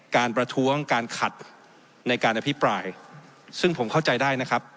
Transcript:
ประท้วงการขัดในการอภิปรายซึ่งผมเข้าใจได้นะครับ